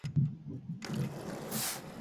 Kirol emanaldiak ere izango dira protagonista.